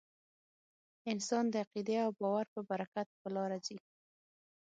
انسان د عقیدې او باور په برکت په لاره ځي.